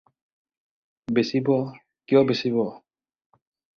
বেচিব! কিয় বেচিব?